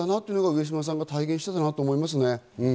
上島さんが体現していたなと思いますね。